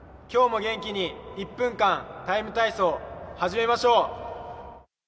今日も元気に１分間「ＴＩＭＥ，体操」始めましょう。